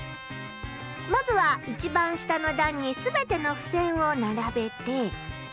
まずは一番下の段に全てのふせんを並べて。